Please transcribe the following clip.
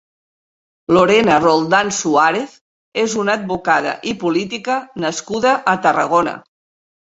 Lorena Roldán Suárez és una advocada i política nascuda a Tarragona.